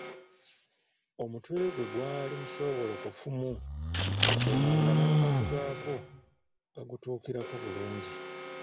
Omutwe gwe gwali musoobolokofumu katono nga n’amatu gaakwo gagutuukirako bulungi.